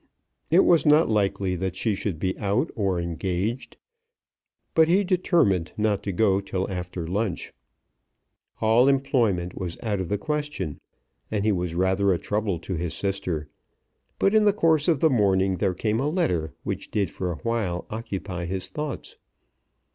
It was not likely that she should be out or engaged, but he determined not to go till after lunch. All employment was out of the question, and he was rather a trouble to his sister; but in the course of the morning there came a letter which did for a while occupy his thoughts.